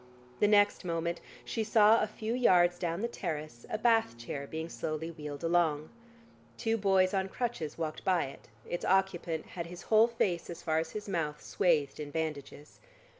The next moment, she saw a few yards down the terrace, a bath chair being slowly wheeled along. Two boys on crutches walked by it, its occupant had his whole face as far as his mouth, swathed in bandages....